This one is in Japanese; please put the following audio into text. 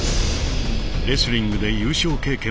レスリングで優勝経験もある